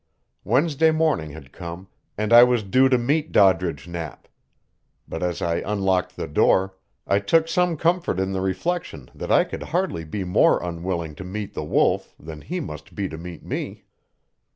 Wednesday morning had come, and I was due to meet Doddridge Knapp. But as I unlocked the door, I took some comfort in the reflection that I could hardly be more unwilling to meet the Wolf than he must be to meet me.